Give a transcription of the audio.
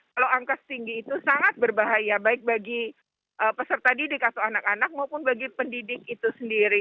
kalau angka setinggi itu sangat berbahaya baik bagi peserta didik atau anak anak maupun bagi pendidik itu sendiri